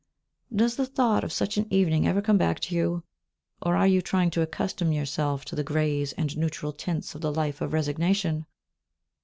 Does the thought of such an evening ever come back to you, or are you trying to accustom yourself to the greys and neutral tints of the life of resignation?